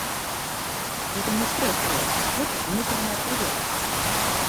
Гэта не стрэс-тэст, гэта ўнутраная праверка.